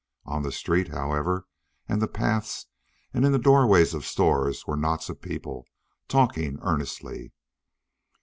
On the street, however, and the paths and in the doorways of stores were knots of people, talking earnestly.